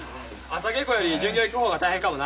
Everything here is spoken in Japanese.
朝稽古より巡業行く方が大変かもな。